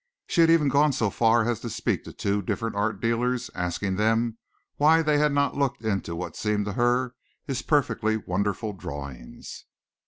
She had even gone so far as to speak to two different art dealers asking them why they had not looked into what seemed to her his perfectly wonderful drawings.